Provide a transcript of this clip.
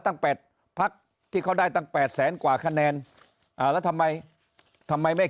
ตั้งแปดภักดิ์ที่เขาได้ตั้ง๘แสนกว่าคะแนนละทำไมทำไมไม่